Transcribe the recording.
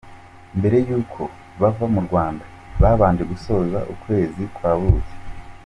Mbere y’uko bava mu Rwanda babanje gusoza ukwezi kwa buki.